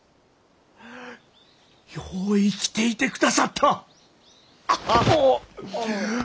よう生きていて下さった！